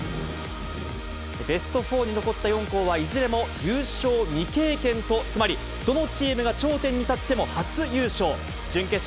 ベスト４に残った４校はいずれも優勝未経験と、つまりどのチームが頂点に立っても、初優勝。